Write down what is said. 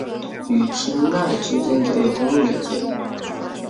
与钦奈之间则有公路连接。